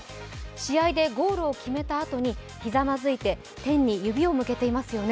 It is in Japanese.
試合でゴールを決めたあとに膝まずいて点に指を向けてますよね。